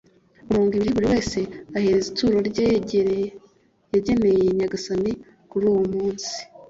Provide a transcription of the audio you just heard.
ku mirongo ibiri, buri wese ahereza ituro rye yageneye nyagasani kuri uwo munsi